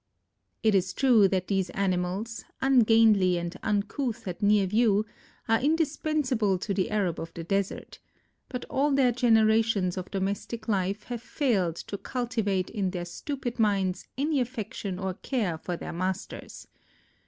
It is true that these animals, ungainly and uncouth at near view, are indispensable to the Arab of the desert; but all their generations of domestic life have failed to cultivate in their stupid minds any affection or care for their masters.